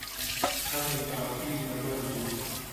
خەمی خەڵکی لەبەر بوو